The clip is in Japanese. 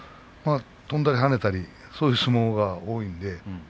跳んだり跳ねたりそういう相撲が多いんですね。